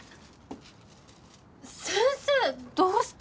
先生どうして？